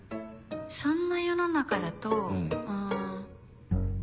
そんな世の中だとあぁ。